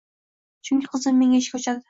Chunki qizim menga eshik ochadi